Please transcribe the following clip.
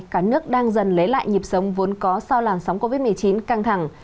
cả nước đang dần lấy lại nhịp sống vốn có sau làn sóng covid một mươi chín căng thẳng